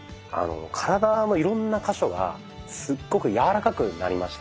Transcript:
体のいろんな箇所がすっごく柔らかくなりましたね。